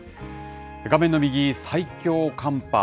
画面の右、最強寒波。